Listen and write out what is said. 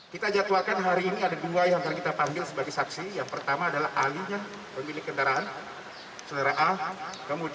kita jadwalkan hari ini ada dua yang akan kita panggil sebagai saksi